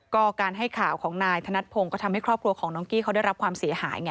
ก็การให้ข่าวของนายธนัดพงศ์ก็ทำให้ครอบครัวของน้องกี้เขาได้รับความเสียหายไง